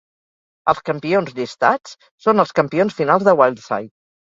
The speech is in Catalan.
Els campions llistats són els campions finals de Wildside.